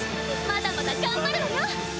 まだまだがんばるわよ！